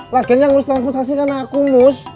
lagian yang ngurus transportasi karena aku mus